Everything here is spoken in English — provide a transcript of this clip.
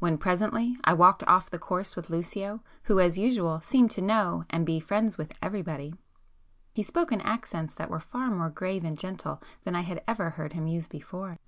When presently I walked off the course with Lucio, who as usual seemed to know and to be friends with everybody, he spoke in accents that were far more grave and gentle than I had ever heard him use before.